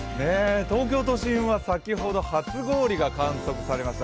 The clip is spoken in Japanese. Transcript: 東京都心は先ほど初氷が観測されました。